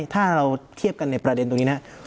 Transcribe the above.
ถ้าเราเทียบกันในประเด็นตรงนี้นะครับ